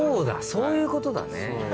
そういうことだね。